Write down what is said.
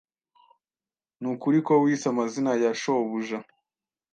Nukuri ko wise amazina ya shobuja?